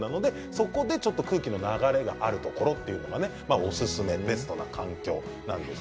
そこで空気の流れがあるところがおすすめだということなんです。